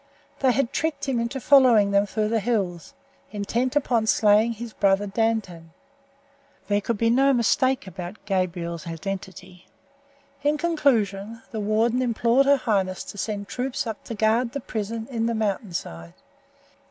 They had tricked him into following them through the hills, intent upon slaying his brother Dantan. There could be no mistake as to Gabriel's identity. In conclusion, the warden implored her highness to send troops up to guard the prison in the mountain side.